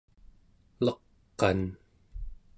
leq'an